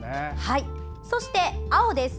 そして、青です。